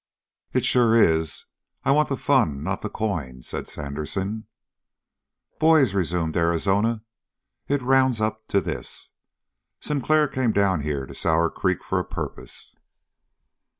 "It sure is. I want the fun, not the coin," said Sandersen. "Boys," resumed Arizona, "it rounds up to this: Sinclair came down here to Sour Creek for a purpose."